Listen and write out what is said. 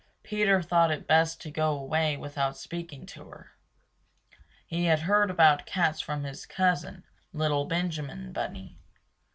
Peter thought it best to go away without speaking to her. He had heard about cats from his cousin, little Benjamin Bunny.